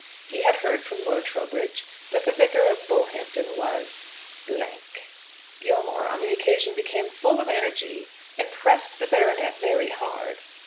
He had heard from Lord Trowbridge that the Vicar of Bullhampton was . Gilmore on the occasion became full of energy, and pressed the baronet very hard.